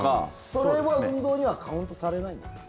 それは運動にはカウントされないんですかね？